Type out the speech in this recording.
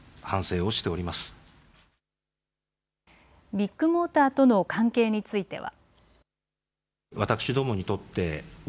ビッグモーターとの関係については。